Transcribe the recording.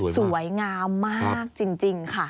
สวยงามมากจริงค่ะ